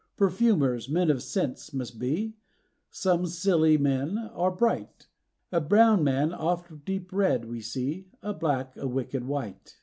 Perfumers, men of scents must be, some Scilly men are bright; A brown man oft deep read we see, a black a wicked wight.